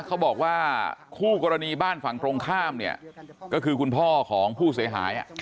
เขาบอกว่าคู่กรณีบ้านฝั่งตรงข้ามเนี่ยก็คือคุณพ่อของผู้เสียหาย